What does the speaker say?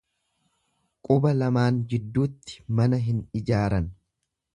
Quba lamaan jidduutti mana hin ijaaran.